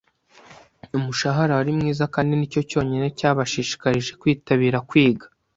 Umushahara wari mwiza, kandi nicyo cyonyine cyabashishikarije kwitabira kwiga.